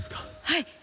はい。